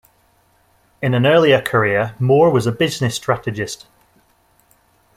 In an earlier career, Moore was a business strategist.